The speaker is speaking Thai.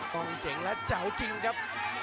กล้องเจ๋งและเจ้าจริงครับ